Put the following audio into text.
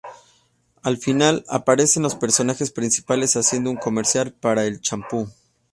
Al final, aparecen los personajes principales haciendo un comercial para el champú.